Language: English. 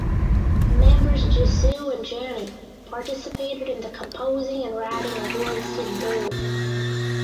Members Jisoo and Jennie participated in the composing and writing of "Lovesick Girls".